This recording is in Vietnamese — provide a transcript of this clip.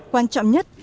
quan trọng nhất